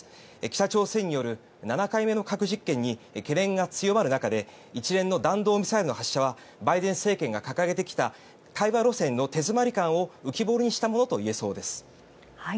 北朝鮮による７回目の核実験に懸念が強まる中で一連の弾道ミサイルの発射はバイデン政権が掲げてきた対話路線の手詰まり感を浮き彫りにしたものといえそうです。